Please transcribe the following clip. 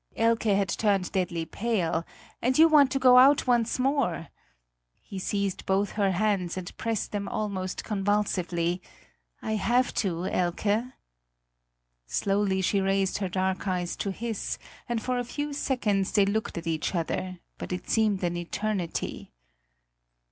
Elke had turned deadly pale. "And you want to go out once more?" He seized both her hands and pressed them almost convulsively. "I have to, Elke." Slowly she raised her dark eyes to his, and for a few seconds they looked at each other; but it seemed an eternity.